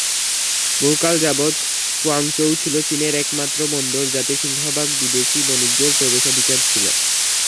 বহুকাল যাবৎ কুয়াংচৌ ছিল চীনের একমাত্র বন্দর যাতে সিংহভাগ বিদেশী বণিকদের প্রবেশাধিকার ছিল।